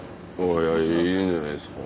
いいんじゃないですか。